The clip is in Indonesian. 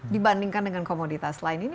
dibandingkan dengan komoditas lain ini